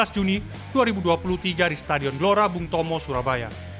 tujuh belas juni dua ribu dua puluh tiga di stadion gelora bung tomo surabaya